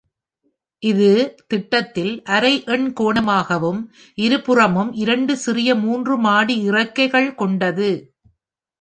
இது திட்டத்தில் அரை எண்கோணமாகவும், இருபுறமும் இரண்டு சிறிய மூன்று மாடி இறக்கைகள் கொண்டது.